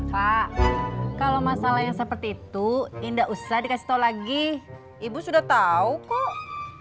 pak kalau masalah yang seperti itu indah usah dikasih tau lagi ibu sudah tahu kok